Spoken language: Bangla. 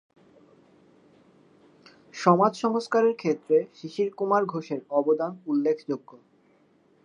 সমাজ সংস্কারের ক্ষেত্রে শিশির কুমার ঘোষের অবদান উল্লেখযোগ্য।